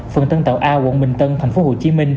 phần tân tàu a quận bình tân tp hcm